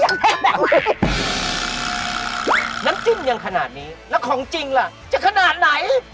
น้ำจิ้มยังขนาดนี้แล้วของจริงล่ะจะขนาดไหน